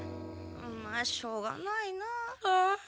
まあしょうがないな。